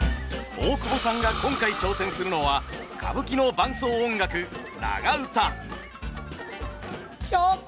大久保さんが今回挑戦するのは歌舞伎の伴奏音楽長唄。